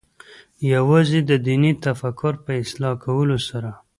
یوازې د دیني تفکر په اصلاح کولو سره.